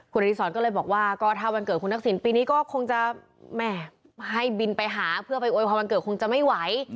คุณอดีศรก็เลยบอกว่าก็ถ้าวันเกิดคุณทักษิณปีนี้ก็คงจะแหมให้บินไปหาเพื่อไปโวยพรวันเกิดคงจะไม่ไหว